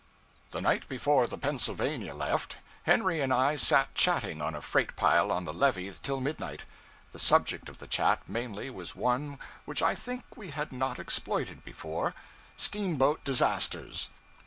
The night before the 'Pennsylvania' left, Henry and I sat chatting on a freight pile on the levee till midnight. The subject of the chat, mainly, was one which I think we had not exploited before steamboat disasters.